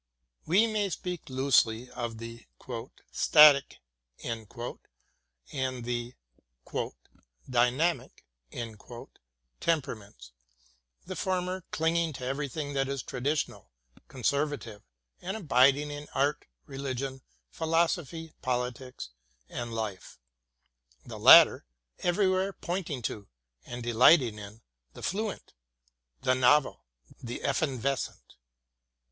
We may speak loosely of the "stat ic" and the ''dynamic" temperaments, the former clinging to everything that is traditional, conservative, and abiding in art, religion, philosophy, politics, and life; the latter everj^where pointing to, and delighting in, the fluent, the novel, the evanescent.